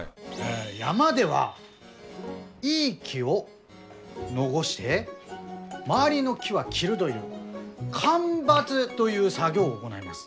山ではいい木を残して周りの木は切るどいう間伐どいう作業を行います。